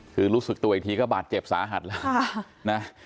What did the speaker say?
คือรู้สึกตัวอีกทีก็บาดเจ็บสาหัสแล้วนะ